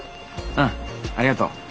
うんありがとう。